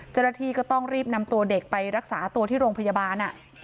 เจ้าหน้าที่ก็ต้องรีบนำตัวเด็กไปรักษาตัวที่โรงพยาบาล